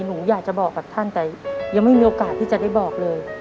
หนูอยากจะบอกกับท่านแต่ยังไม่มีโอกาสที่จะได้บอกเลย